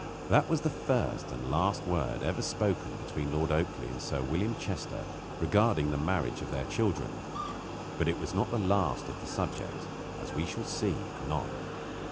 That was the first and the last word ever spoken between Lord Oakleigh and Sir William Chester regarding the marriage of their children; but it was not the last of the subject, as we shall see anon.